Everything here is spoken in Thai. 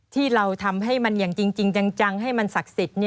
ที่เราทำให้มันอย่างจริงจังให้มันศักดิ์สิทธิ์